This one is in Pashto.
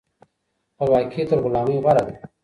خپلواکي تر غلامۍ غوره ده.